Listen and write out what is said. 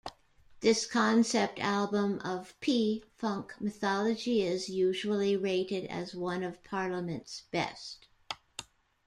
This concept album of P-Funk mythology is usually rated as one of Parliament's best.